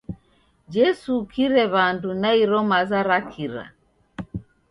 Jesu ukire w'andu na iro maza ra kira!